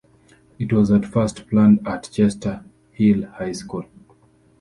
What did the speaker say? It was at first planned as "Chester Hill High School".